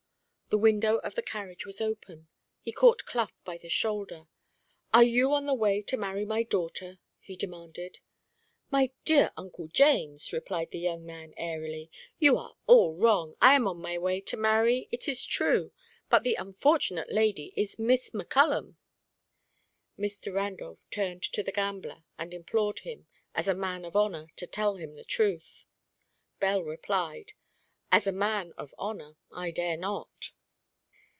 The window of the carriage was open. He caught Clough by the shoulder. "Are you on your way to marry my daughter?" he demanded. "My dear Uncle James," replied the young man, airily, "you are all wrong. I am on my way to marry it is true; but the unfortunate lady is Miss McCullum." Mr. Randolph turned to the gambler, and implored him, as a man of honour, to tell him the truth. Bell replied: "As a man of honour, I dare not."